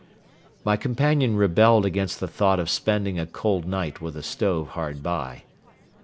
My companion rebelled against the thought of spending a cold night with a stove hard by.